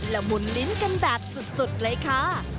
ละมุนลิ้นกันแบบสุดเลยค่ะ